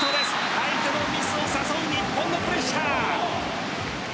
相手のミスを誘う日本のプレッシャー。